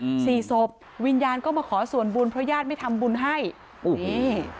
อืมสี่ศพวิญญาณก็มาขอส่วนบุญเพราะญาติไม่ทำบุญให้นี่